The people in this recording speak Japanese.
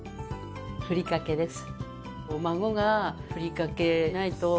ふりかけです。